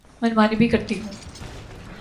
من مانی بھی کرتی ہوں۔